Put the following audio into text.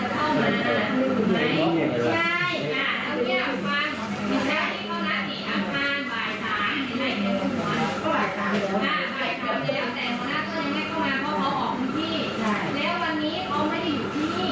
ก็เนี่ยก็ว่าไหนบ้างหน่อยนะครับนี่เค้าไม่ได้อยู่เหนื่อยประจำเค้าจะเข้ามากี่โมงเพิ่มหนึ่งไม่ทราบ